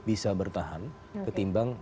bisa bertahan ketimbang